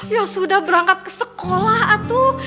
ya sudah berangkat ke sekolah itu